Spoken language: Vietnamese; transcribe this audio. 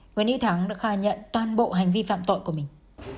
người nữ thắng đã khai nhận toàn bộ hành vi phạm tội của mình